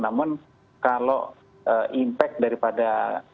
namun kalau impact daripada